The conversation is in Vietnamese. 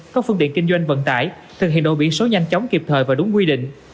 các phương tiện kinh doanh vận tải thực hiện đổi biển số nhanh chóng kịp thời và đúng quy định